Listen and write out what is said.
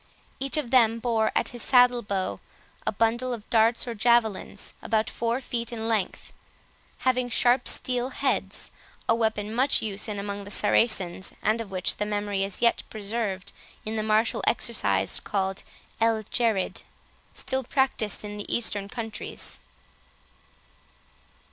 Each of them bore at his saddle bow a bundle of darts or javelins, about four feet in length, having sharp steel heads, a weapon much in use among the Saracens, and of which the memory is yet preserved in the martial exercise called "El Jerrid", still practised in the Eastern countries.